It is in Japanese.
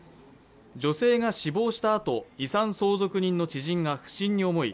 女性が死亡したあと遺産相続人の知人が不審に思い